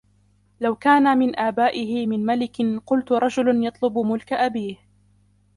لَوْ كَانَ مِنْ آبَائِهِ مِنْ مَلِكٍ قُلْتُ رَجُلٌ يَطْلُبُ مُلْكَ أَبِيهِ.